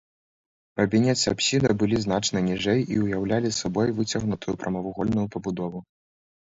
Бабінец і апсіда былі значна ніжэй і ўяўлялі сабой выцягнутую прамавугольную пабудову.